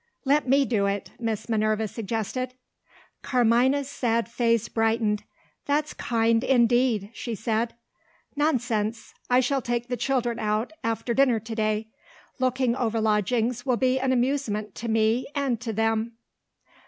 "Let me do it," Miss Minerva suggested. Carmina's sad face brightened. "That's kind indeed!" she said. "Nonsense! I shall take the children out, after dinner to day. Looking over lodgings will be an amusement to me and to them."